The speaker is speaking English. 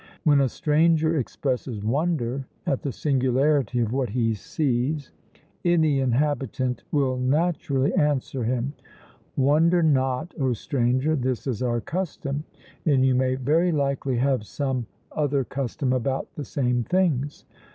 When a stranger expresses wonder at the singularity of what he sees, any inhabitant will naturally answer him: Wonder not, O stranger; this is our custom, and you may very likely have some other custom about the same things.